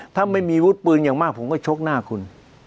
ถ้าไม่มีวุฒิปืนอย่างมากผมก็ชกหน้าคุณ